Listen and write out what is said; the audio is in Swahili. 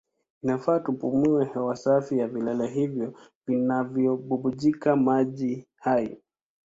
Inafaa tupumue hewa safi ya vilele hivyo vinavyobubujika maji hai.